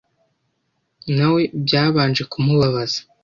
na we byabanje kumubabaza